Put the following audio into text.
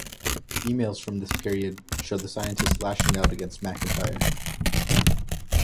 Emails from this period show the scientists lashing out against McIntyre.